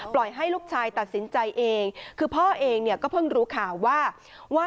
ปล่อยให้ลูกชายตัดสินใจเองคือพ่อเองก็เพิ่งรู้ข่าวว่า